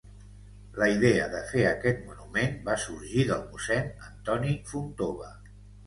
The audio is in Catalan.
La idea de fer aquest monument va sorgir del mossèn Antoni Fontova.